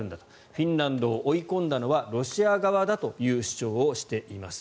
フィンランドを追い込んだのはロシア側だという主張をしています。